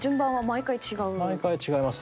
毎回違います。